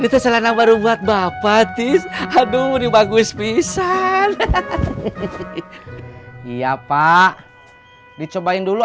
ini terserah nama rumah bapak is hadung di bagus pisang hahaha iya pak dicobain dulu